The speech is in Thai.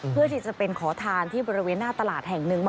เพื่อที่จะเป็นขอทานที่บริเวณหน้าตลาดแห่งหนึ่ง